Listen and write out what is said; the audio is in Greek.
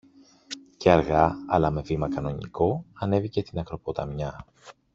και αργά, αλλά με βήμα κανονικό, ανέβηκε την ακροποταμιά